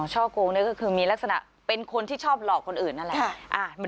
ช่อโกงนี่ก็คือมีลักษณะเป็นคนที่ชอบหลอกคนอื่นนั่นแหละ